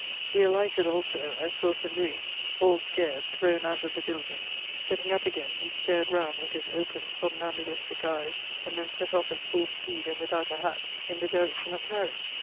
We alighted also, and saw St. Louis, all scared, thrown out of the diligence; getting up again, he stared round with his open, somnambulistic eyes, and then set off at full speed, and without a hat, in the direction of Paris.